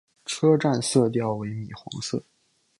车站色调为米黄色。